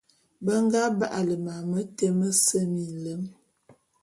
Be nga ba'ale mam mete mese minlem.